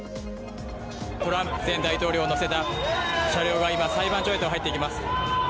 トランプ前大統領を乗せた車両が今、裁判所へと入っていきます。